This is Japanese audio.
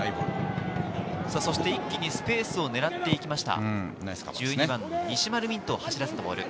一気にスペースを狙っていきました。